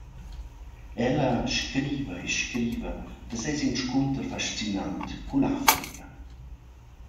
Ella scriva e scriva da seis inscunter fascinant cull’ Africa.